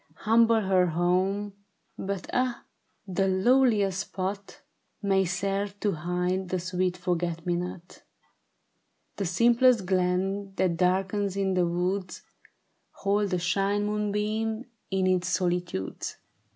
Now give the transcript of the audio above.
Humble her home, but ah, the lowliest spot May ser^ e to hide the sweet forget me not ; The simplest glen that darkens in the woods, Hold a shy moonbeam in its solitudes ; 4* 8i 82 ISABEL MA YNOR.